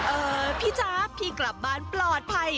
เออพี่จ๊าบพี่กลับบ้านปลอดภัย